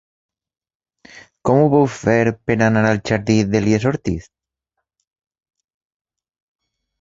Com ho puc fer per anar al jardí d'Elies Ortiz?